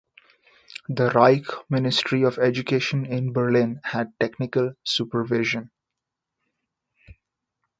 The Reich Ministry of Education in Berlin had technical supervision.